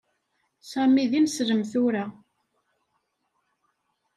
Sami d ineslem tura.